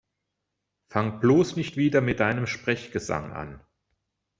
Fang bloß nicht wieder mit deinem Sprechgesang an!